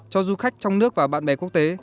cho du khách trong nước và bạn bè quốc tế